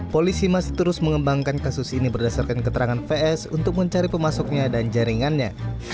polisi masih terus mengembangkan kasus ini berdasarkan keterangan vs untuk mencari pemasuknya dan jaringannya